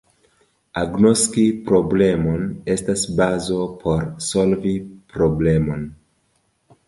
Agnoski problemon estas bazo por solvi problemon.